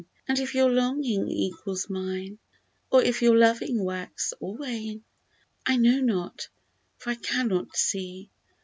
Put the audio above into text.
And if your longing equals mine, Or if your loving wax or wane, I know not, for I cannot see.